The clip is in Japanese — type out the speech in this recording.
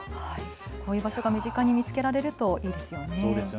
こういう場所が身近に見つけられるといいですよね。